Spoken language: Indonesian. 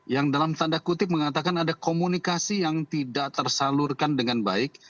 yang dalam tanda kutip mengatakan ada komunikasi yang tidak tersalurkan dengan baik